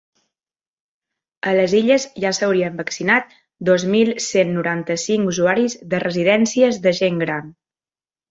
A les Illes ja s’haurien vaccinat dos mil cent noranta-cinc usuaris de residències de gent gran.